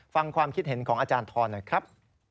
ฟังความคิดเห็นของอาจารย์ทรหน่อยครับ